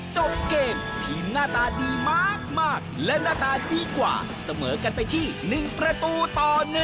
จบเกมทีมหน้าตาดีมากและหน้าตาดีกว่าเสมอกันไปที่๑ประตูต่อ๑